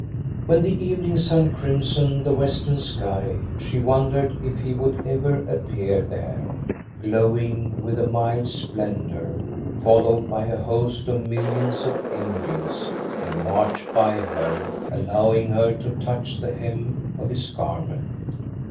"When the evening sun crimsoned the western sky, she wondered if he would ever appear there, glowing with a mild splendor, followed by a host of millions of angels, and march by her, allowing her to touch the hem of his garment.